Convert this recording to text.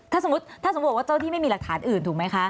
ถ้าสมมุติว่าเจ้าที่ไม่มีหลักฐานอื่นถูกไหมคะ